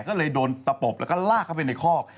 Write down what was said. ก็เลยโดนตะปบแล้วก็ลากเข้าไปในคอก